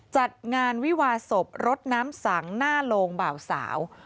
จัดงานวิวาสรถน้ำสังหน้าโลงบ่าวสาว